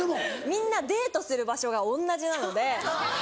みんなデートする場所が同じなので。